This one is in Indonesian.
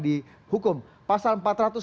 menggunakan hukum pasal empat ratus sembilan belas